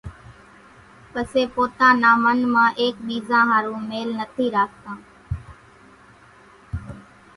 پسي پوتا نا من مان ايڪ ٻيزا ۿارُو ميل نٿي راکتان